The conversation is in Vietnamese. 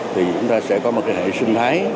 thì chúng ta sẽ có một hệ sinh thái